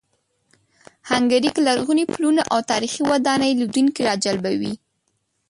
هنګري کې لرغوني پلونه او تاریخي ودانۍ لیدونکي راجلبوي.